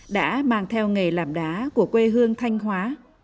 đã mang theo nghề làm đá của quê hương thanh hóa